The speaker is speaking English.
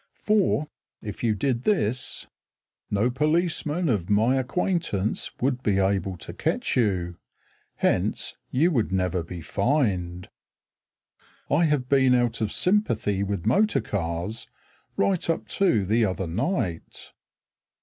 For if you did this, No policeman of my acquaintance would be able to catch you, Hence you would never be fined. I have been out of sympathy with motor cars Right up to the other night.